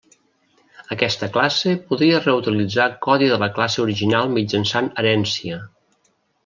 Aquesta classe podria reutilitzar codi de la classe original mitjançant herència.